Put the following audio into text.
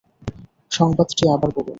সংবাদটি আবার বলুন।